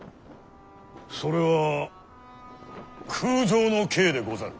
それは空城の計でござる。